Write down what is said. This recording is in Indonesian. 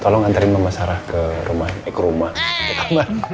tolong anterin mama sarah ke rumahnya eh ke rumah ke kamar